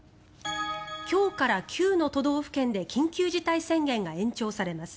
今日から９の都道府県で緊急事態宣言が延長されます。